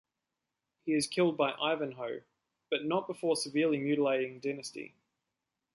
He is killed by Ivanhoe, but not before severely mutilating Dynasty.